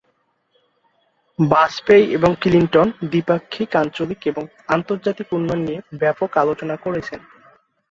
বাজপেয়ী এবং ক্লিনটন দ্বিপাক্ষিক, আঞ্চলিক এবং আন্তর্জাতিক উন্নয়ন নিয়ে ব্যাপক আলোচনা করেছেন।